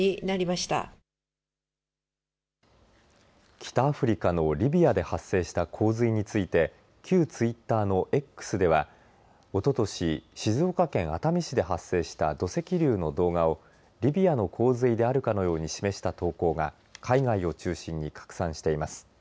北アフリカのリビアで発生した洪水について旧ツイッターのＸではおととし静岡県熱海市で発生した土石流の動画をリビアの洪水であるかのように示した投稿が海外を中心に拡散しています。